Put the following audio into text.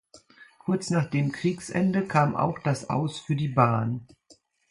Kurz nach dem Kriegsende kam auch das Aus für die Bahn.